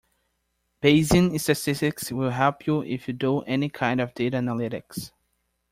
Bayesian statistics will help you if you do any kind of data analytics.